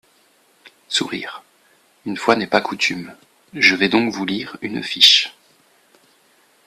(Sourires.) Une fois n’est pas coutume, je vais donc vous lire une fiche.